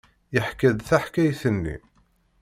Yeḥka-d taḥkayt-nni.